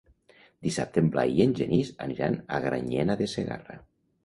Dissabte en Blai i en Genís aniran a Granyena de Segarra.